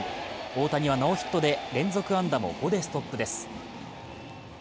大谷はノーヒットで連続安打も５でストップです。